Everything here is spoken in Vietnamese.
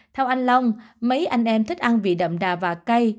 theo anh long mấy anh em thích ăn vị đậm đà và cay